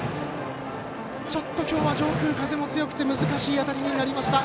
ちょっと今日は上空、風も強くて難しい当たりになりました。